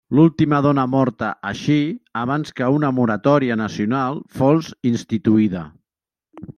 L'última dona morta així abans que una moratòria nacional fos instituïda.